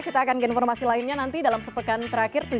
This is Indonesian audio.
kita akan ke informasi lainnya nanti dalam sepekan terakhir